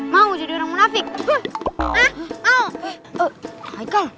mau jadi orang munafik